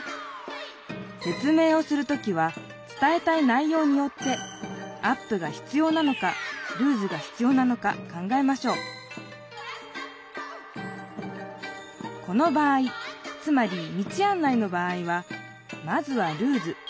説明をする時は伝えたい内ようによってアップがひつようなのかルーズがひつようなのか考えましょうこの場合つまり道あん内の場合はまずはルーズ。